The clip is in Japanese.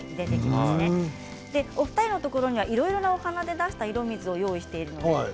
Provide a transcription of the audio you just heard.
お二人のところにはいろいろな花で出した色水を用意しました。